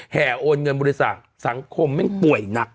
โอนเงินบริจาคสังคมแม่งป่วยหนัก